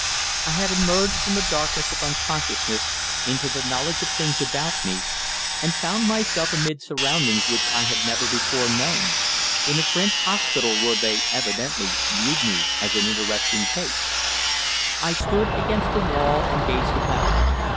I had emerged from the darkness of unconsciousness into the knowledge of things about me, and found myself amid surroundings which I had never before known in a French hospital where they evidently viewed me as an interesting "case." I stood against the wall and gazed about.